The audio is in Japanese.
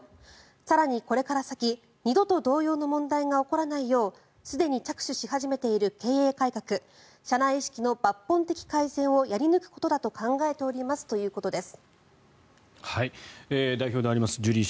更にこれから先、二度と同様の問題が起こらないようすでに着手し始めている経営改革、社内意識の抜本的改善をやり抜くことだと考えておりますということです。